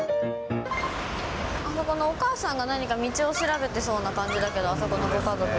あそこのお母さんが何か道を調べてそうな感じだけど、あそこのご家族。